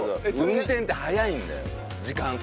運転って早いんだよ時間過ぎるの。